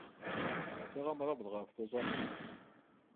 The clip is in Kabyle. Yestaqsa amṛabeḍ ɣef tuẓamin.